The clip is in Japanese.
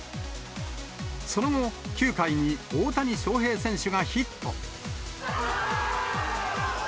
その後、９回に大谷翔平選手がヒット。